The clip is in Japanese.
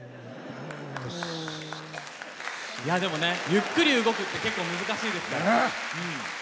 ゆっくり動くって結構、難しいですから。